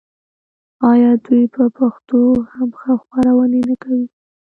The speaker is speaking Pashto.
آیا دوی په پښتو هم خپرونې نه کوي؟